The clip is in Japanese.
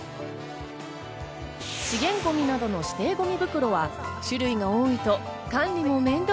資源ごみなどの指定ごみ袋は種類が多いと管理も面倒。